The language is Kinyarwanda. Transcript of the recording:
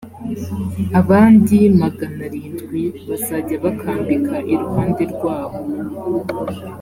abandi magana arindwi bazajya bakambika iruhande rwabo